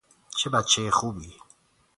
چه بچه خوبی!